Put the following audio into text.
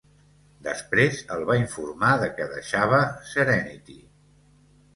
Després el va informar de que deixava "Serenity".